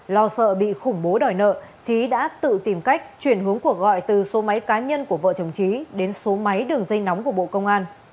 lo sợ bị khủng bố đòi nợ trí đã tự tìm cách chuyển hướng cuộc gọi từ số máy cá nhân của vợ chồng trí đến số máy đường dây nóng của bộ công an